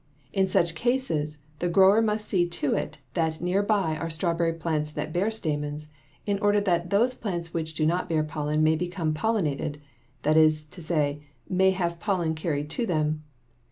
In such cases the grower must see to it that near by are strawberry plants that bear stamens, in order that those plants which do not bear pollen may become pollinated; that is, may have pollen carried to them.